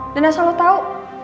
dan asal lo tau